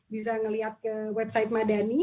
bisa ngelihat ke website madani